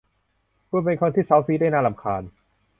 คุณเป็นคนที่เซ้าซี้ได้น่ารำคาญ